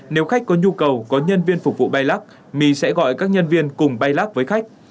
nếu khách có nhu cầu có nhân viên phục vụ bay lắc my sẽ gọi các nhân viên cùng bay lác với khách